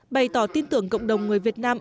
bày tỏ tin tưởng cộng đồng người việt nam